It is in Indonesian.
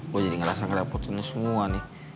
gue jadi ngerasa ngerapetin lo semua nih